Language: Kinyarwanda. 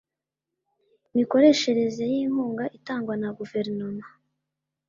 mikoreshereze y inkunga itangwa na guverinoma